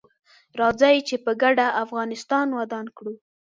راځي چې په ګډه افغانستان ودان کړو